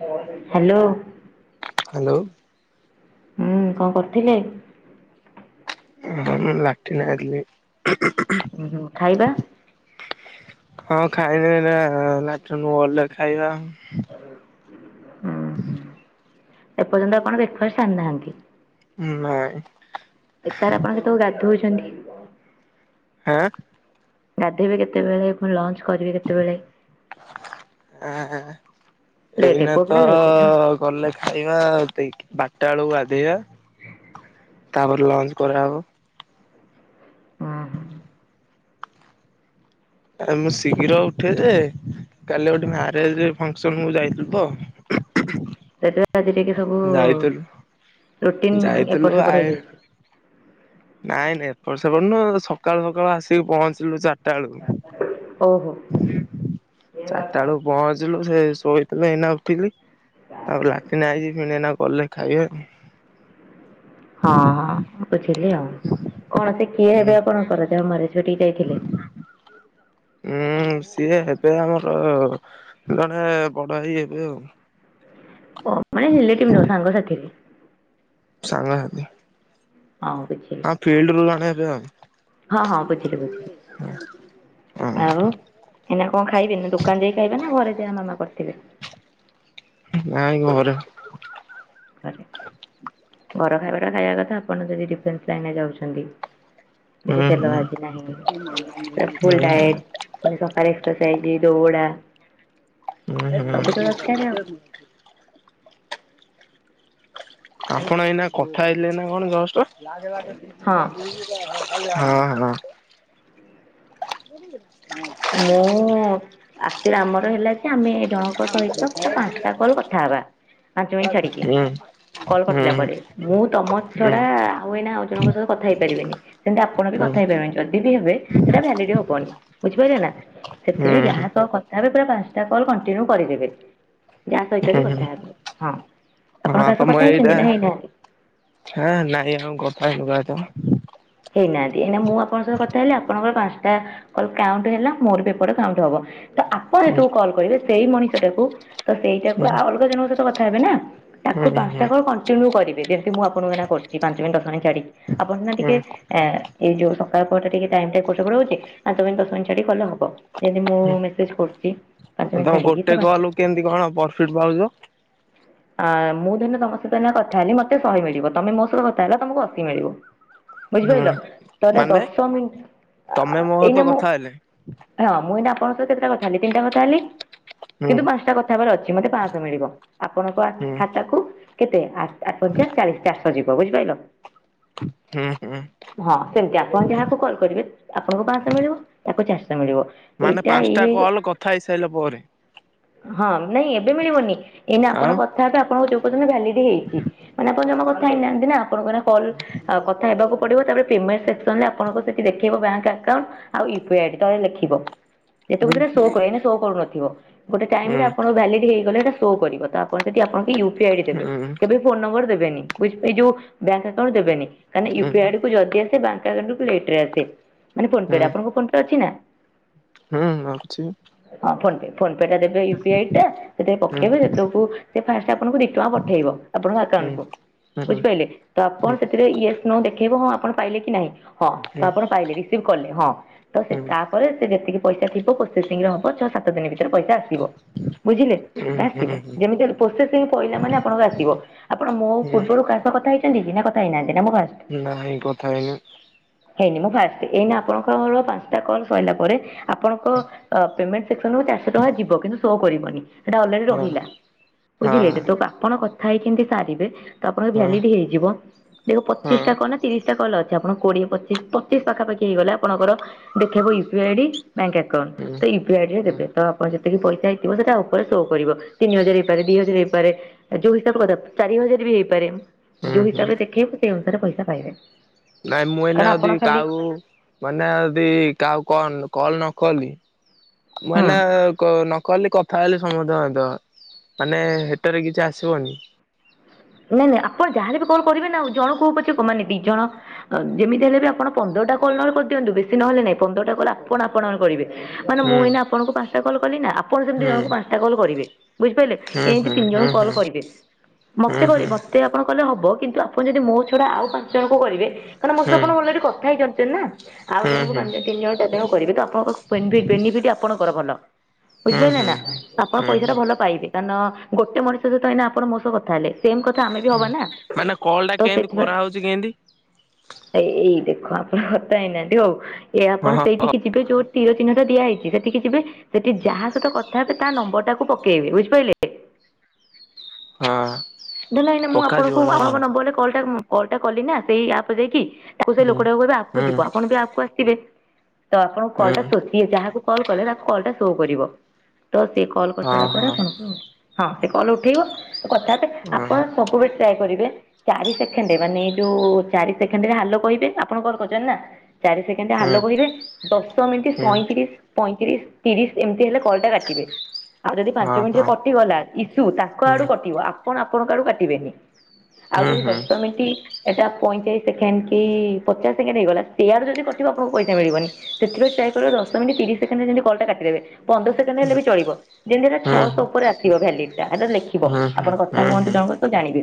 [unintelligible] Hello hello. ହୁଁ କଣ କରୁଥିଲେ? ହ ଲାଟି ନି ଯାଇଥିଲି। ହୁଁ ହୁଁ ଖାଇବା। ହଁ ଖାଇନି ଲାଟିନରୁ ଗଲେ ଖାଇବା। ହୁଁ। ଉଁ ଏପର୍ଯ୍ୟନ୍ତ ଆପଣ ବ୍ରେକେଫାଷ୍ଟ ସରିନାହାନ୍ତି? ହୁଁ ନାଇ। ଏତାର ଆପଣ କେତେବେଳକୁ ଗାଧଉଛନ୍ତି? ହଁଆ। ଗାଧେଇବେ କେତେବେଳେ ପୁଣି ଲଞ୍ଚ କରିବେ କେତେବେଳେ? ଆ - ହା। ଲେଟ୍ ଏଇନା ପୁଅ ପିଲା ତଅ- ଅ ଲେଟ୍ ନୁହଁ - ଅ ଗଲେ ଖାଇବା ଦେଇକି ବାରଟା ବେଳକୁ ଗାଧେଇବ ତାପରେ ଲଞ୍ଚ କରା ହବ। ଉଁ ହୁଁ ଆ ମୁଁ ଶୀଘ୍ର ଉଠେ ଯେ କାଲି ଗୋଟେ ମ୍ୟାରେଜ-ଅ ଫଂକ୍ସନ ମୁ ଯାଇଥିଲି ତ ସେଥିଲାଗି ଆଜି ଟିକେ ସବୁ। ଯାଇଥିଲୁ ରୁଟିନ ଯାଇଥିଲୁ ଏପଟ ସେପଟ ଆଇ ହେଇଯାଇଛି। ନାଇଁ ନାଇଁ ଏପଟ ସେପଟ ନୁଅ ସକାଳୁ ସକାଳୁ ଆସିକି ପହଞ୍ଚିଲୁ ଚାର୍ ଟା ଳୁ କୁ ଓହୋ ଚାରିଟା ଆଳକୁ ପହଞ୍ଚିଲୁ ସେ। ଶୋଇଥିଲି ଏଇନା ଉଠିଲି ତାପରେ ଲାଟିନ୍ ଆଇଛି ଫିଣି ଏଇନା। କଲେ ଖାଇବା। ହଁ ହଁ ବୁଝିଲି ଆଉ। କଣ ସେ କିଏ ଉଁ ହେବେ ଆପଣଙ୍କର ଯାହାର ମ୍ୟାରେଜ୍ ଘଟିକି ଯାଇଥିଲେ। ଉଁ ସିଏ ହେବେ ଆମର ଜଣେ ବଡ ଭାଇ ହେବେ ଆଉ। ଓ ମାନେ ରିଲେଟିଭ ନୁହ ସାଙ୍ଗ ସାଥିରେ। ସାଙ୍ଗ ସାଥୀ। ହଁ ବୁଝିଲି ହଁ ଫିଲ୍ଡରୁ ଜଣେ ହେବେ ଆଉ। ହଁ ହଁ ବୁଝିଲି ବୁଝିଲି ହଁ ଆଉ ଏଇନା କଣ ଖାଇବେ ନା ଦୋକାନ ଯାଇ ଖାଇବେ ନା ଘରେ ଯାହା ମାମା କରିଥିବେ। [inaudible] ନାଇଁ ଘରେ। ଘରେ ଘର ଖାଇବା। ତ ଖାଇବା କଥା ଆପଣ ଯଦି ଡିଫେନ୍ସ ଲାଇନ ରେ ଯାଉଛନ୍ତି। ଏଠି ହୁଁ ତେଲ ହୁଁ ଭାଜି ନାହିଁ ପୁରା ଫୁଲ୍ ହୁଁ ହୁଁ। ଡାଏଟ। ପୁଣି ସକାଳେ ଏକ୍ସରସାଇଜ ଦୋଉଡା। ଉଁ ହୁଁ। ଆପଣ ଏଇନା କଥା ହେଇଥିଲେ ନା କଣ ଜଷ୍ଟ। ଆଉ ହଁ ହଁ। ମୁଁ ଆକଚୁଆଲି ଆମର ହେଲା ଯେ ଆମେ। ଜଣଙ୍କ ହୁଁ ସହିତ ହୁଁ ହୁଁ ପାଞ୍ଚଟା କଲ୍ କଥା ହେବା। ପାଞ୍ଚ ମିନିଟ ଛାଡିକି ହୁଁ ହୁଁ। କଲ କଟିଲା ହୁଁ ପରେ ମୁଁ ତମ ଛଡା ଆଉ ଏଇନା ଆଉ ଜଣଙ୍କ ସହିତ କଥ କଥା ହେଇ ପାରି ବେନି ସେମିତି ଆପଣ ବି କଥା ହେଇ ପାରି ବେନି ଯଦି ବି ହେବେ ସେଇଟା ଭାଲିଡ ହବନି ବୁଝି ପାଇଲେ ନା ସେଥିପାଇଁ ଯାହା ସହ କଥା ହେବେ ପୁରା ପାଞ୍ଚଟା କଲ କଣ୍ଟିନ୍ୟୁ କରିଦେବେ। ଯାହା ସହିତ ବି ହୁଁ କଥା ହେବ ହଁ ଆପଣ କାହା ସହ କଥା ହେଇଛନ୍ତି ନା ହେଇନାହାନ୍ତି। ହାଁ ନାଇଁ ଆଉ କଥା ହେଇନୁ କା ସହିତ। ହେଇନାହାନ୍ତି ତା କଲ କାଉଣ୍ଟ ହେଲା ମୋର ବି ଏପଟେ କାଉଣ୍ଟ ହବ ତ ଆପଣ ଯେତ ହୁଁ ବେଳେ କଲ କରିବେ। ସେଇ ମଣିଷ ଟାକୁ ତ ସେଇଟାକୁ ହୁଁ ଆଉ ଅଲଗା ଜଣଙ୍କ ସହିତ କଥା ହେବେ ନା। ହୁଁ ତାକୁ ହୁଁ ପାଞ୍ଚଟା କଲ କଣ୍ଟିନ୍ୟୁ କରିବେ ଯେ ମୁଁ ଆପଣଙ୍କୁ ଏଇନା କରିଛି ପାଞ୍ଚ ମିନିଟ ଦଶମିନିଟ ଛାଡିକି ଆପଣ ସିନା ହୁଁ ଟିକେ। ହୁଁ। ଏଇଯୋଉ ସକାଳ ପହର ଟା ଟିକେ ଟାଇମ ଟା ଏପଟ ସେପଟ ହଉଚି ପାଞ୍ଚ ମିନଟ ଦଶ ମିନିଟ ଚଡ଼ିକି କଲେ ହବ। ଯଦି ମୁଁ ମେସେଜ କରୁଚି। ତମେ ଗୋଟେ କଲ କୁ କେମତି କଣ ପରଫିଟ ପାଉଛ। ଆ ମୁଁ ଧରି ନିଅ ତମ ସହିତ ଏଇନା କଥା ହେଲି ମତେ ଶହେ ମିଳିବ ତମେ ମୋ ସହିତ କଥା ହେଲା ତମକୁ ଅଶୀ ମିଳିବ। ହୁଁ ବୁଝିପାଇଲ ତ ଏଇଟା ମାନେ ଦଶ ମିଣ୍ଟ। ଆ ତମେ ମୋ ସହିତ ଏଇନ ମୁଁ କଥା ହେଲେ ହଁ ମୁଁ ଏଇନା। ଆପଣ ଙ୍କ ସହିତ କେତେଟା କଥା ହେଲି ତିନିଟା କଥା ହେଲି ହୁଁ କିନ୍ତୁ ପାଞ୍ଚଟା କଥା ହେବାର ଅଛି ମତେ ପାଆଁଶ ମିଳିବ। ଆପଣଙ୍କ ଆକ ହୁଁ ଖାତାକୁୁ କେତେ ଆ ଆଠ ପଞ୍ଚା ଚାଳିଶ ଚାରିଶ ଯିବ ବୁଝିପାଇଲ। ହୁଁ। ହୁଁ ହଁ ସେମିତି ଆପଣ ଯାହାକୁ କଲ କରିବେ ଆପଣଙ୍କୁ ପାଞ୍ଚଶହ ମିଳିବ ତାକୁ ଚାରିଶହ। ମିଳିବ ମାନେ ଏଇଟା ଏ ପାଞ୍ଚଟା କଲ୍ କଥା ହେଇସାରିଲା ପରେ ହଁ। ନାଇଁ ଏବେ ମିଳିବନି ଏଇନା ଆପଣ ଆଉ କଥା ହେବେ ଆପଣଙ୍କ ଯୋଉ ପର୍ଜନ୍ତ ଭାଲିଡ ହେଇଛି ମାନେ ଆପଣ ଜମା କଥା ହେଇ ନାହାନ୍ତି ନା ଆପଣଙ୍କ ର କଲ କଥା ହେବାକୁ। ପଡିବ ତା ପରେ ପେମେଣ୍ଟ ସେକ୍ସନ ରେ ଆପଣଙ୍କୁ ସେଠି ଦେଖେଇବ ବ୍ୟାଙ୍କ୍ ଆ କା ଉଣ୍ଟ ଆଉ ୟୁପିଆଇ ଆଇଡି ତାରେ ଲେଖିବ। ଯେତେ ବେଳେ ହୁଁ ସେଇଟା ସୋ କରିବ ଏଇନା ସୋ କରୁନଥିବ ଗୋଟେ ଟାଇମ ହୁଁ ରେ ଆପଣ ଭାଲିଡ୍ ହେଇଗଲେ ସୋ ଶୋ କରିଵ ଆପଣ ସେଠି ଆପଣଙ୍କ ୟୁପି ଆଇଡି ଦେବେ ହୁଁ କେବେ ଫୋନ ନମ୍ବର ଦେବେ ବେନି ବୁଝପା ଏ ଯୋଉ ବ୍ୟାଙ୍କ ଆକାଉଣ୍ଟ ଦେବେନି। ହୁଁ ୟୁପି ଆଇଡକୁ ଯଲଦି ଆସେ ବ୍ୟାଙ୍କ ଆାଉଣ୍ଟକୁ ଲେଟ ରେ ଆସେ ମାନେ ଫୋନ ପେ ହୁଁ ରେ ଆପଣଙ୍କ ଫୋନ ପେ ଅଛି ନା। ହୁଁ ଅଛି। ହଁ ଫୋନ ପେ ଫୋନ ପେ ଟା ଦେବେ ୟୁପି ଆଇ ଟା ସେଥିରେ ହୁଁ ପକେଇବେ ସେତକୁ ଫାଷ୍ଟ ଆପଣଙ୍କୁ ଦି ଟଙ୍କା ପଠେଇବ ଆପଣଙ୍କ ହୁଁ ହୁଁ ହୁଁ ହୁଁ ଆକାଉ ହୁଁ ହୁଁ ବୁଝିପାରିଲେ ତ ଆପଣ ସେଥିରେ ୟେଶ ନୋ ଲେ ଦେଖେଇବ ହଁ ଆପଣ ପାଇଲେ କି ନାଇଁ ହଁ ତ ହୁଁ ଆପଣ ପାଇଲେ ରିସିଭ କଲେ ହଁ ତ ସେ ତାପରେ ସେ ଯେତିକି ପଇସା ଥିବ ପ୍ରୋସେସିଂରେ ଆପଣ ଛଅ ସାତ ଦିନ ଭିତରେ ପଇସା ଆସିବ। ବୁଝିଲେ ଆସିବ ହୁଁ ଯେମିତି ହେଲେ ପ୍ରୋସେସିଂ ରେ ପହିଲା ମାନେ ଆପଣଙ୍କ ଆସିବ ଆପଣ ମୋ ହୁଁ ପୂର୍ବରୁ କା କଥା ହେଇଛନ୍ତି କି ନା କଥା ପାଇନାହାନ୍ତି ନା ମୁଁ ଫାଷ୍ଟ, ନାଇଁ କଥା ହେଇନି ହେଇନି ନା ମୁଁ ଫାଷ୍ଟ ଏଇନା ଆପଣଙ୍କର ପାଞ୍ଚ ଏୟିଟା କଲ୍ ସରିଲା ପରେ ଆପଣଙ୍କ ଅ ପେମେଣ୍ଟ ସେକ୍ସନ ରୁ ଚାରିଶହ ଟଙ୍କା ଯିବ କିନ୍ତୁ ଶୋ କରିବନି। ସେଟା ଅଲରେଡି ହଁ ରହିଲା ବୁଝିଲେ ଯେ ହଁ ତ ଆପଣ କଥା ହେଇ କେମତି ସାରିବେ ତ ଆପଣଙ୍କ ହଁ ଭ୍ୟାଲିଡି ହେଇଯିବ ଦେଖ ପଚିଶ ହଁ ଟା କ ନା ପଚିଶଟା କଲ୍ ଅଛି ଆପଣ କୋଡିଏ ପଚିଶ ପଚିଶ ପାଖା ପାଖି ହେଇଗଲା ଆପଣଙ୍କର ଦେଖେଇବ U P I D bank account ହୁଁ ହୁଁ ତ ୟୁପି ଆଇ ରେ ହୁଁ ଦେବେ ତ ଆପଣ କି ପଇସା ହେଇଥିବ ସେଟା ଉପରେ ସୋ କରିବ ତିନି ହଜାର ହେଇପାରେ ଦି ହଜାର ହେଇପାରେ ଯଉ ହିସାବରେ [unintelligible] ଚାରି ହଜାର ହେଇପାରେ ଯୋଉ ହୁଁ ହିସାବରେ ଦେଖେଇବ ସେଇ ଅନୁସାରେ ପଇସା ପାଇବେ। ନାଇଁ ମୁଁ ଏଇନା କାରଣ ଆପଣ ଯଦି ଖାଲି କାଉ ମାନେ ଯଦି କାଉ କଣ କଲ ନ କଲି ମୁଁ ଏନା ହୁଁ। କ ନ କଲି ଥାଏଲେ ସମସ୍ତେ ମାରିଦେବା ମାନେ ହେଟାରେ କିଛି ଆସିବନି। ନାଇଁ ନାଇଁ ଆପଣ ଯାହାଲେ ବି କଣ କରିବେ ନା ଆଉ ଜଣକୁ କୋଉ ପଛେ ମାନେ ଦି ଜଣ ଅ ଯେମିତି ହେଲେ ବି ଆପଣ ପନ୍ଦର ଟା କଲ ନହେଲେ କରିଦିଅନ୍ତୁ ବେଶୀ ନହେଲେ ନାହିଁ ପନ୍ଦରଟା କଲ ଆପଣ ଆପଣଙ୍କର କରିବେ। ମାନେ ହୁଁ ମୁଁ ଏଇନା ଆପଣଙ୍କୁ ପାଞ୍ଚଟା କଲ୍ କଲି ନା ଆପଣ ସେମିତି ହୁଁ ଜଣଙ୍କୁ ପାଞ୍ଚଟା କଲ୍ କରିବେ ବୁଝିପାରିଲେ ହୁଁ ଏମିତି ହୁଁ ତିନି ଜଣ ହୁଁ କଲ ହୁଁ କରିବେ ମ ମତେ ହୁଁ ହୁଁ କରିବେ ମତେ ଆପଣ କଲେ ହବ କିନ୍ତୁ ଆପଣ ଯଦି ମୋ ଛଡା ଆଉ ପାଞ୍ଚ ଜଣଙ୍କୁ କରିବେ କାରଣ ମୋ ସହ ହୁଁ ଆପଣ ଅଲରେଡି କଥା ହେଇ କରିଛନ୍ତି ନା ଆଉ ଜଣଙ୍କୁ ହୁଁ ହୁଁ ହୁଁ ହୁଁ ପାଞ୍ଚଣ ତିି ଜଣ ଚାରିଣ କରିବେ ତ ଆପଣଙ୍କ ବେନିଫିଟ ବେନି ଫିଟ ଆପଣଙ୍କର ଭଲ। ବୁଝିପାରିଲେ ହୁଁ। ନା ଆପଣ ହୁଁ ହୁଁ ପଇସା ହୁଁ ଟା ଭଲ ପାଇବେ କାରଣ-ଅ-ଅ ଗୋଟେ ମଣିଷ ସହିତ ଏୟିନା ଆପଣ ମୋ ସହ କଥା ହେଲେ ସେମ କଥା ଆମେ ବି ହବା ନା ମାନେ କଲ୍ ଟା ତ କେମିତି ସେଥିପାଇ କରାହଉଛି କେମିତି? ଏଇ ଏଇ ଦେଖ ଆପଣ କଥା ହେଇନାହାନ୍ତି ହଉ ଏ ହଁ ଆପଣ ହଁ ହଁ ସେଇଠିକି ଯିବେ ଯୋଉଠ ତୀର ଚିହ୍ନଟା ଦିଆହେଇଛି ସେଠିକି ଯିବେ ସେଠି ଯାହା ସହିତ କଥା ହେବେ ତା ନମ୍ବର ଟାକୁ ପକେଇବେ ବୁଝିପାରିଲେ। ହ ହଁ। ନାଇଁ ନା ମୁଁ ପକାଯିବ ଆପଣଙ୍କୁ ନା ଆପଣଙ୍କ କଣ? ନମ୍ବରରେ କଲ ଟା ଉମ୍ କଲ୍ ଟା କଲି ନା ସେଇ ଆପରେ ଯାଇକି ତାକୁ କୁ ସେ ହୁଁ ଲୋକଟାକୁ କହିବେ ଆପ୍ କୁ ହୁଁ ଯିବ ଆପଣ ବି ଆପ୍ କୁ ଆସିବେ। ତ ଆପଣଙ୍କ ହୁଁ କଲ୍ ଟା ଶୋଷେ ଯାହାକୁ କଲ୍ କଲେ ତାକୁ କଲ ଟା ସୋ କରିବ। ତ ସେ କଲ୍ ହଁ କରିସାରିଲା ପରେ ହଁ ଆପଣଙ୍କୁ ହଁ ସେ କଲ ଉଠେଇବ ତ କଥା ହେବେ। ଆପଣ ହ। ସବୁବେଳେ ଟ୍ରାଏ କରିବେ ଚାରି ସେକେଣ୍ଡରେ ମାନେ ଯୋଉ ଚାରି ସେକେଣ୍ଡ ରେ ହା ଲୋ କହିବେ ଆପଣଙ୍କର କହିଛନ୍ତି ନା ଚାରି ସେକେଣ୍ଡ ହୁଁ ହାଲୋ କହିବେ ଦଶ ମିନିଟ୍ ହୁଁ ସଇଁତିରିଶ ପଇଁତିରିଶ ତିରିଶ ଏମିତି ହେଲେ କଲଟା କାଟିବେ। ଆଉ ଯଦି ହଁ ପାଞ୍ଚ ମିନିଟରେ ହଁ କଟିଗଲା ଇସୁ ତାଙ୍କ ହୁଁ ଆଡୁ କଟିବ ଆପଣ ଆପଣଙ୍କ ଆଡୁ କାଟିବେନି। ଆଉ ଯୋ ହୁଁ ହୁଁ ହୁଁ ହୁଁ ହୁଁ ହୁଁ ଦଶ ମିନିଟ ଏଟା ପଇଁଚାଳିଶ ସେକେଣ୍ଡ କି ପଚାଶ ସେକେଣ୍ଡ ହେଇଗଲା ସେୟାଡୁ ଯଦି କଟିବ ଆପଣଙ୍କୁ ପଇସା ମିଳିବନି ସେଥିପାଇ ଟ୍ରାଏ କରନ୍ତୁ ଦ ଦଶ ମିନିଟ୍ ତିରିଶ ସେକଣ୍ଡରେ ଯେମିତି କଲ କାଟି ଦେବେ। ପନ୍ଦର ସେକେଣ୍ଡ ହେଲେ ବି ଚଳିବ ଯେମିତି ଏଇଟା ଛଅଶହ ଉପରେ ଆସିବ ଭ୍ୟାଲିଡ଼ ଟା ହେଟା ଲେଖିବ ହୁଁ ହୁଁ ଆପଣଙ୍କ କଥା କଥା ହୁଅନ୍ତୁ ହୁଁ ଜଣଙ୍କ ସହ ଜାଣିବେ।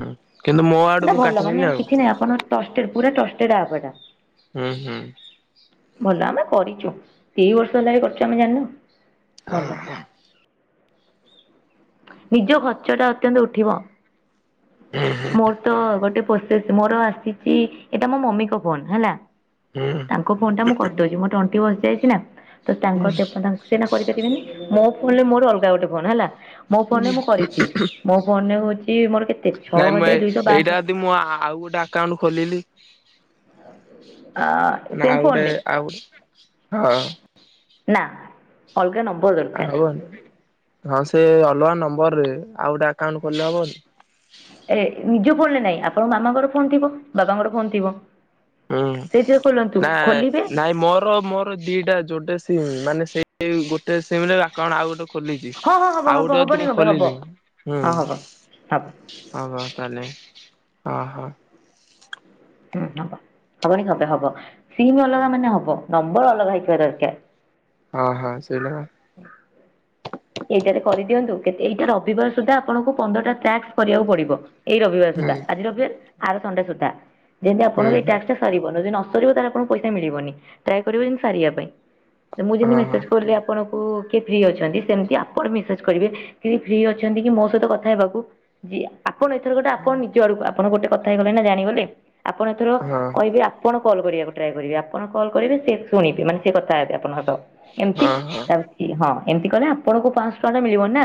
ହୁଁ କିନ୍ତୁ ମୋ ଆଡୁ ସେଟା ମୁଁ ଭଲ ମାନେ କାଟିବିନି ଆଉ କିଛି ନାହି ଆପଣ ଟଷ୍ଟେଡ଼ ପୁରା ଟଷ୍ଟେଡ଼ ଆପ୍ ଏୟିଟା। ହୁଁ ହୁଁ। ଭଲ ଆମେ କରିଛୁ ଦି ବର୍ଷ ହେଲାଣି କରିଛୁ ଆମେ ଜାଣିନୁ ଭଲ। ନିଜ ଖର୍ଚ୍ଚ ଟା ଅତ୍ୟନ୍ତ ଉଠିବ। ହୁଁ ମୋର ତ ଗୋଟେ ପୋସେସ ମୋର ଆସିଛି ଏଇଟା ମୋ ମମିଙ୍କ ଫୋନ ହେଲା। ହୁଁ ତାଙ୍କ ଫୋନ ଟା ମୁଁ କରିଦଉଚି ମୋର ତଣ୍ଟି ବସି ଯାଇଛି ନା ତ ତାଙ୍କ ସେ ଫୋନ ତାଙ୍କ ସେ ଏନା କରିପାରିବେନି ମୋ ଫୋନ ରେ ମୋର ଅଲଗା ଗୋଟେ ଫୋନ ହେଲା ମୋ ଫୋନ ରେ ମୁଁ କରିଚି। ମୋ ଫୋନ ରେ ହଉଚି ମୋର କେତେ ଛଅ ନାଇଁ ମୁଁ ଏ ହଜାର ଦୁଇଶହ ବାଷଠି ଏଇଟା ଯଦି ମୁଁ ଆ ଆ ଆଉ ଗୋଟେ ଆକାଉଣ୍ଟ ଖୋଲିଲି? ଆ ନା ସେମ୍ ଆଉ ଫୋନ ଗୋଟେ ରେ ଆଉ ଗୋଟେ ହଁ ନା ଅଲଗା ନମ୍ବ ହବନି ହଁ ସେ ଅଲଗା ନମ୍ବର ରେ ଆଉ ଗୋଟେ ଆକାଉଣ୍ଟ ଖୋଲ ହବନି? ଏ ନିଜ ଫୋନ ରେ ନାଇଁ ଆପଣଙ୍କ ମାମାଙ୍କର ଫୋନ ଥିବ ବାବାଙ୍କର ଫୋନ ଥିବ ହୁଁ ସେଇଥିରେ ଖୋଲନ୍ତୁ ନା ଖୋଲିବେ ନାଇଁ ମୋର ମୋର ଦିଟା ଯୋଟା ସିମ୍ ମାନେ ସେଇ ସେଇ ଗୋଟେ ସିମ୍ ରେ ଆକାଉଣ୍ଟ ଆଉ ଗୋଟେ ଖୋଲିଚି ହଁ ହଁ ହବ ଆଉ ହବ ଗୋଟେ ଯଦି ହବନି ମୁଁ କଣ ପାଇଁ ହବ। ଖୋଲିିବି ହୁଁ। ହଁ ହବ ହବ। ହଁ ବା ତାହଲେ ଅ ହ। ହୁଁ ହବ ହବନି କଣ ପାଇଁ ହବ ହବ ସିମ୍ ଅଲଗା ମାନେ ହବ। ନମ୍ବର ଅଲଗା ହୋଇଥିବା ଦରକାର। ହଁ ହଁ ସେଇଟା। ଏଇଟାରେ କରିଦିଅନ୍ତୁ କେ ଏଇଟା ରବିବାର ସୁଦ୍ଧା ଆପଣଙ୍କୁ ପନ୍ଦରଟା ଟ୍ରାକ୍ସ କରିବାକୁ ପଡିବ। ଏଇ ରବିବାର ହୁଁ ସୁଦ୍ଧା ଆଜି ରବିବାର ଆର ସଣ୍ଡେ ସୁଦ୍ଧା ଯେମିତି ହୁଁ ଆପଣଙ୍କ ଏଇ ହୁଁ ଟା ସରିବ ଜଦି ନ ନ କରିବ ତାହାନେ ଆପଣଙ୍କୁ ପଇସା ମିଳିବନି ଟ୍ରାଏ କରିବେ ଯେମିତି ସାରିବା ପାଇଁ ଏ ମୁଁ ଯେମିତି ହଁ ମେସେଜ କଲି ଆପଣ ଓ କିଏ ଫ୍ରି ଅଛନ୍ତି ସେମିତି ଆପଣ ମେସେଜ କରିବେ କି ଫ୍ରି ଅଛନ୍ତି କି ମୋ ସହିତ କଥା ହେବାକୁ ଯି ଆପଣ ଏଥର ଗୋଟେ ଆପଣ ହଁ। ନିଜ ଆଡକୁ ଆପଣ ଗୋଟେ କଥା ହେଇଗଲେଣି ନା ଜାଣିଗଲେ ଆପଣ ଏଥର ହଁ କହିବେ ଆପଣ କଲ୍ କରିବାକୁ ଟ୍ରାଏ କରିବ ଆପଣ କଲ କରିବେ ସେ ଶୁଣିବେ ମାନେ ସେ କଥା ହେବେ ଆପଣଙ୍କ ସହ। ହଁ ଏମିତି ହଁ ହଁ ଚାଲଚି ହଁ ଏମିତି କଲେ ଆପଣଙ୍କୁ ପାଞ୍ଚଶହ ଟଙ୍କା ମିଳିବ ନା।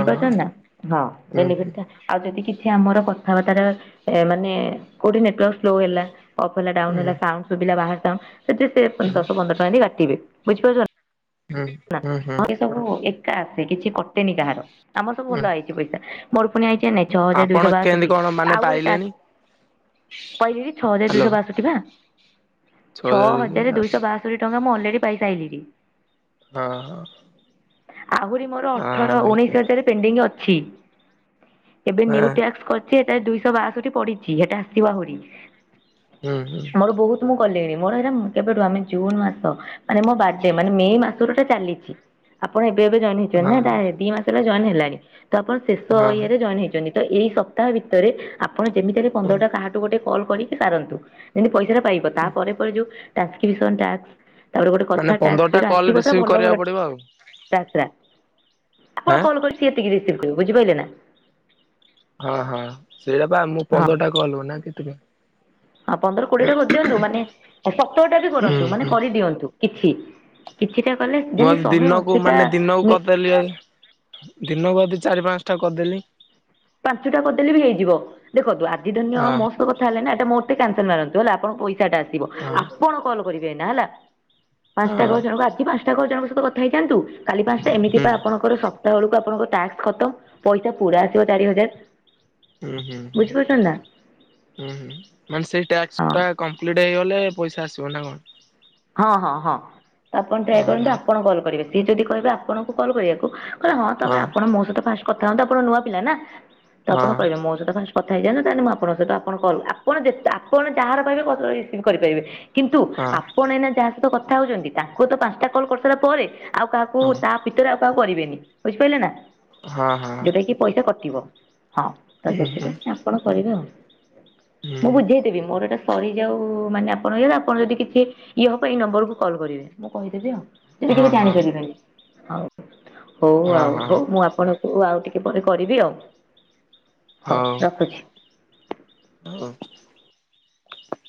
ହଁ ହଁ ନା ହଁ ହୁଁ ବେନିଫିଟ୍ ଟା ଆଉ ଯଦି କି ଆମର କଥାବାର୍ତ୍ର ରେ ଏ ମାନେ କୋଉଠି ନେଟୱାର୍ ସ୍ଲୋ ହେଲା। ଅଫ୍ ହେଲା ହୁଁ ହୁଁ ଡାଉନ ହେଲା ସାଉଣ୍ଡ ସୁବିଲା ବାହାର ସାଉଣ୍ଡ ସେ ସେ ହୁଁ ଦଶ ପନ୍ଦର ଟଙ୍କା ଏମିତି କାଟିବେ ବୁଝିପାରୁଚ ହୁଁ ହୁଁ ହୁଁ। ହଁ ଏ ସବୁ ଏକା ଆସେ କିଛି କଟେନି କାହାର ଆମର ସବୁ ହୁଁ ଭଲ ହେଇଚି ପଇସା। ମୋର ପୁଣି ଆଇଚି ନାଇ ଛଅ ହଜାର ଆପଣ ଦୁଇଶହ କେମିତି ବାଶୋଠି କଣ ମାନେ ଆଉ ଗୋଟୋ ପାଇଲେଣି ଟାକ ପାଇଲିବି ଛଅ ହଜାର ହ୍ୟାଲୋ ଦୁଇଶହ ବାଷଠି ପା। ଛଅ ହଜାର ଦୁଇଶହ ବାଶୋଠି ଟଙ୍କା ମୁଁ ଅଲରେଡି ପାଇସାରିଲିନି। ହଁ ହଁ ଆହୁରି ମୋର ଅଠର ହୁଁ ଉଣେଇଶ ହଜାର ପେଣ୍ଡିଙ୍ଗ ଅଛି ଏବେ ନିୟୁ ଟାସ୍କ କର ସେଟା ଦୁଇଶହ ବାଶୋଠି ପଡିଚି ସେଟା ଆସିବ ଆହୁରି। ହୁଁ ହୁଁ। କଲେଣି ମୋର ହେରା କେବେଠୁ ଆମେ ଜୁନ୍ ମାସ ମାନେ ମୋ ବାଡେ ମାନେ ମେ ମାସରୁ ଏଟା ଚାଲିଚି। ଚି ଆପଣ ଏବେ ଏବେ ଜଏନ୍ ହଁ ହେଇିଚନା ଦି ମାସ ହେଲା ଜଏନ ହେଲାଣି। ତ ଆପଣ ଶେଷ ହଁ ଇଆରେ ଜଏନ୍ ହେଇଛନ୍ତି ତ ଏଇ ସପ୍ତାହ ଭିତରେ ଆପଣ ଯେମିତିରେ ହଁ ପନ୍ଦରଟା କାହାଠୁ ଗୋଟେ କଲ କରିକି ସାରନ୍ତୁ ଯେମତି ପଇସା ଟା ପାଇବ ତାପରେ ପରେ ଯୋଉଁ ଟ୍ରାନ୍ସକ୍ରିପସନ ଟାସ୍କ ତାପରେ ଗୋଟେ ମାନେ କଥା ଟାସ୍କ ପନ୍ଦରଟା ଜଉରା କଲ୍ ଆସିବ ସେରା ରିସିଭ୍ ଭଲ କରିବାକୁ ଭଲ ପଡିବ ଆଉ ଟାସ୍କ ରା ଆପଣ ହଁ କଲ୍ କରି ସିତିକି ରିସିଭ କରିବେ ବୁଝିପାରିଲେ ନା। ହଁ ହଁ ସେଇଟା ପା ମୁଁ ହଁ। ପନ୍ଦରଟା କଲୁ ନା କେତିଟା? ହଁ ପନ୍ଦର କୋଡିଏ ଟା କରିଦିଅନ୍ତୁ ମାନେ ସତରାଟା ବି ହୁଁ କରନ୍ତୁ ମାନେ ହୁଁ କରିଦିଅନ୍ତୁ କିଛି କି ମୁଁ ଆଜି ଦିନକୁ ମାନେ ଦିନକୁ ମି କରିଦେଲି ଦିନକୁ ଯଦି ଚାରି ପାଞ୍ଚ ଟା କରିଦେଲି? ପାଞ୍ଚଟା କରିଦେଲେ ବି ହେଇଯିବ ଦେଖନ୍ତୁ ଆଜି ଧରିନିଅ ହଁ ମୋ ସହିତ କଥା ହେଲେ ନା ମୋର କ୍ୟାନସଲ ମାରନ୍ତୁ ହେଲା ଆପଣଙ୍କ ପଇସାଟା ଆସିବ ହଁ ଆପଣ କଲ୍ କରିବେ ଏନା ହେଲା। ପାଞ୍ଚଟା ହଁ ଘର ଜଣଙ୍କୁ ଆଜି ପାଞ୍ଚଟା ଘର ଜଣଙ୍କ ସତ କଥା ହେଇଥାଆନ୍ତୁ। କାଲି ପାଞ୍ଚଟା ଏମିତି ହୁଁ ଆପଣଙ୍କର ସପ୍ତାହ ବେଳକୁ ଆପଣଙ୍କର ଟାକ୍ସ ଖତମ ପଇସା ପୁରା ଆସିବ ଚାରି ହଜାରେ ହୁଁ ହୁଁ ହୁ। ହୁଁ ହୁଁ ମାନେ ହଁ। ଟାସ୍କ ଟା କମ୍ପ୍ଲିଟ ହେଇଗଲେ ପଇସା ଆସିବ ନା କଣ? ହଁ ହଁ ହଁ ଆପଣ ଟ୍ରାଏ ହଁ କରନ୍ତୁ ହଁ ଆପଣ କଲ୍ କରିବେ ସିଏ ଯଦି କହିବେ ଆପଣଙ୍କୁ କଲ୍ କରିବାକୁ କହଲେଁ ତମେ ହଁ ଆପଣ ମୋ ସହିତ ଫାଷ୍ଟ କଥାନ୍ତୁ ଆପଣ ନୂଆ ପିଲ ନା ତ ଆପଣ ହଁ କହିବେ ମୋ ସହିତ ଫାଷ୍ଟ କଥା ହେଇଯାଏନ ତାହେଲେ ମୁଁ ଆପଣଙ୍କ ସହିତ ଆପଣ କୁ ଆପଣ ଯେେ ଆପଣାହାର ପାଇହେ କ ରିସିଭ କରିପାରିବେ କିନ୍ତୁ ହଁ ଆପଣ ଏଇନା ଯାହା ସହିତ କଥା ହଉଛନ୍ତି ତାଙ୍କୁ ତ ପାଞ୍ଚଟା କଲ କରିସାରିଲା ପରେ ଆଉ କାହାକୁ ତା ଭିତରେ ଆଉ କାହାକୁ କରିବେନି ବୁଝିପାରିଲେ ନା ହଁ ହଁ ହଁ ଯୋଉଟା କି ପଇସା କଟିବ ହଁ ତ ହୁଁ ହୁଁ ସେଥିପାଇଁ ଆପଣ କରିବେ ଆଉ ମୁଁ ହୁଁ ବୁଝେଇଦେବି ମୋର ଏଟା ସରିଯାଉ ମାନେ ଆପଣ ଇ ଆପଣ ଯଦି କିଛି ଇଏ ହବ ଏଇ ନମ୍ବରକୁ କଲ୍ କରିବେ ମୁଁ କହିଦେବି ଆଉ ଯଦି ହଁ କିଛି ହଁ ଜାଣିପାରିବେନି ହଉ ହଉ ହଁ ଆଉ ହଁ ହଉ ମୁଁ ଆପଣଙ୍କୁ ଆଉ ଟିକେ ପରେ କରିବି ଆଉ ହଉ ହଉଁ ରଖୁଛି। ହଉ